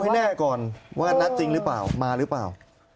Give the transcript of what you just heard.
ให้แน่ก่อนว่านัดจริงหรือเปล่ามาหรือเปล่า